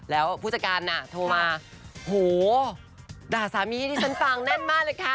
แล้วผู้จัดการน่ะโทรมาโหด่าสามีให้ที่ฉันฟังแน่นมากเลยค่ะ